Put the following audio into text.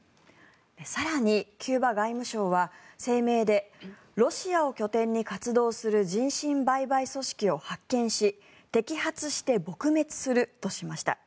更にキューバ外務省は声明でロシアを拠点に活動する人身売買組織を発見し摘発して撲滅するとしました。